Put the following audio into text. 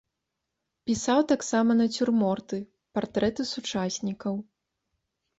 Пісаў таксама нацюрморты, партрэты сучаснікаў.